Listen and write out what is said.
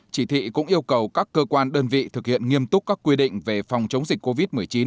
chỉ thị cũng yêu cầu các cơ quan đơn vị thực hiện nghiêm túc các quy định về phòng chống dịch covid một mươi chín